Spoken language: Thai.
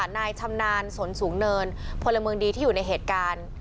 นายชำนาญสนสูงเนินพลเมืองดีที่อยู่ในเหตุการณ์